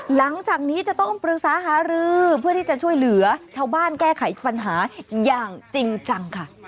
หลังจากนี้จะต้องปรึกษาหารือเพื่อที่จะช่วยเหลือชาวบ้านแก้ไขปัญหาอย่างจริงจังค่ะ